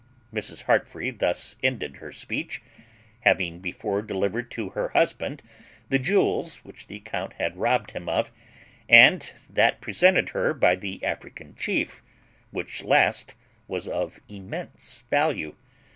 Mrs. Heartfree thus ended her speech, having before delivered to her husband the jewels which the count had robbed him of, and that presented her by the African chief, which last was of immense value.